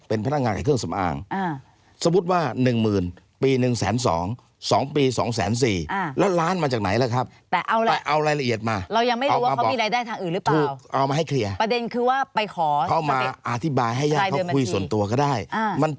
เป็นพนักงานกับเครื่องสำอาง